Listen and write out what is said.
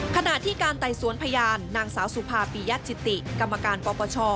ขณะที่การไต่สวนพยานนางสาวสุภาปียัตจิติกรรมการปปช